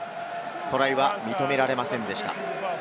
トライは認められませんでした。